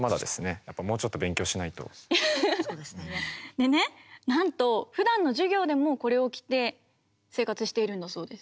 でねなんとふだんの授業でもこれを着て生活しているんだそうです。